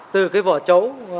từ cái vỏ chấu